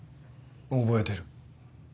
覚えてる。